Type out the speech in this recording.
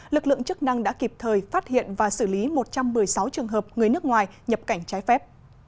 lực lượng chức năng đã kịp thời phát hiện và xử lý một trăm một mươi sáu trường hợp người nước ngoài nhập cảnh trái phép